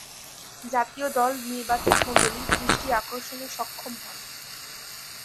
জাতীয় দল নির্বাচকমণ্ডলীর দৃষ্টি আকর্ষণে সক্ষম হন।